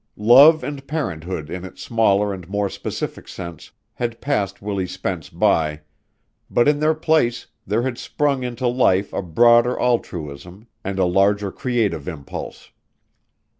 Love and parenthood in its smaller and more specific sense had passed Willie Spence by, but in their place there had sprung into life a broader altruism and a larger creative impulse.